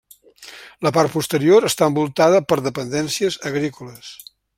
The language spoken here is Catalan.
La part posterior està envoltada per dependències agrícoles.